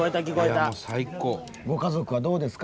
ご家族はどうですか？